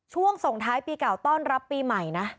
ส่งท้ายปีเก่าต้อนรับปีใหม่นะ